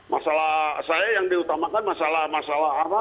masalah saya yang diutamakan masalah masalah apa